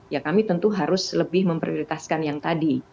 ya kami tentu harus lebih memprioritaskan yang tadi